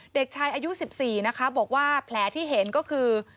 เด็กชายอายุ๑๔นะคะบอกว่าแผลที่เห็นก็คือ